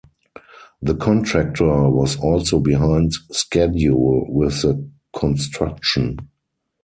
The contractor was also behind schedule with the construction.